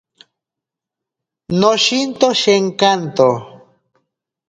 Noshinto shenkanto.